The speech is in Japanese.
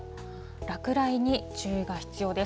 落雷に注意が必要です。